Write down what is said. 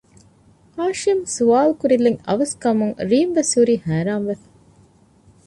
ހާޝިމް ސްވާލުކުރިލެއް އަވަސް ކަމުން ރީމްވެސް ހުރީ ހައިރާންވެފަ